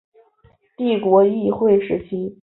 帝国议会时期。